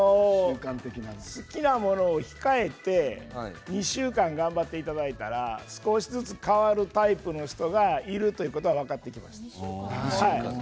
好きなものを控えて２週間ぐらい頑張っていただいたら少しずつ変わるタイプの人がいるということが分かってきました。